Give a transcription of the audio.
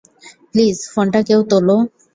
Please, ফোনটা কেউ তোলো!